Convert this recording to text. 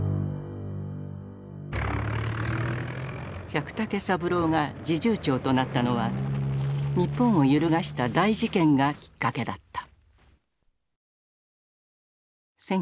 百武三郎が侍従長となったのは日本を揺るがした大事件がきっかけだった。